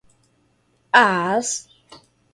às